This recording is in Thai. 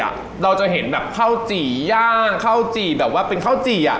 เราจะเห็นแบบข้าวจี่ย่างข้าวจี่แบบว่าเป็นข้าวจี่อ่ะ